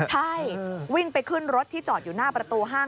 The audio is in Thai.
ใช่วิ่งไปขึ้นรถที่จอดอยู่หน้าประตูห้าง